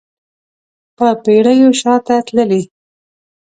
په پیړیو شاته تللی